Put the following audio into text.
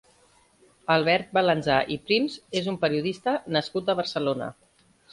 Albert Balanzà i Prims és un periodista nascut a Barcelona.